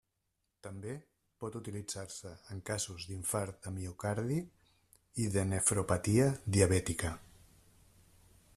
També, pot utilitzar-se en casos d'infart de miocardi i de nefropatia diabètica.